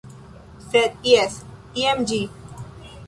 Sed, jes, jen ĝi